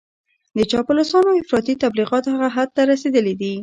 د چاپلوسانو افراطي تبليغات هغه حد ته رسېدلي دي.